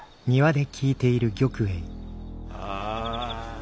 ああ。